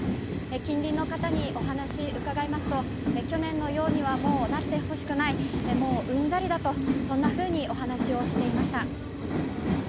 近隣の方にお話、伺いますと去年のようにはもうなってほしくないもううんざりだとそんなふうにお話をしていました。